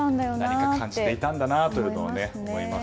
何か感じていたんだなと思います。